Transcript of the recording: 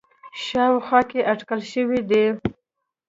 ه شاوخوا کې اټکل شوی دی